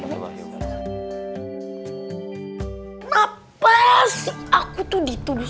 kenapa sih aku tuh dituduh